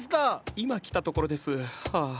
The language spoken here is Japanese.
今来たところですハア。